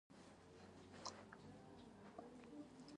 چې تاسو فکر کوئ هغه درته رښتیا وایي.